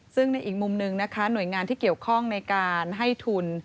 ซึ่งในอีกมุมหนึ่งนะคะหน่วยงานที่เกี่ยวข้องในการให้ทุน